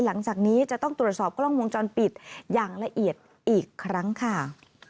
หลังจากนี้จะต้องตรวจสอบกล้องวงจรปิดอย่างละเอียดอีกครั้งค่ะ